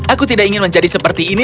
aku tidak ingin menjadi seperti ini